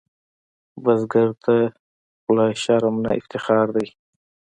بزګر ته خوله شرم نه، افتخار دی